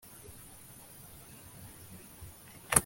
Umutware w’Abakereti n’Abapeleti na bene Dawidi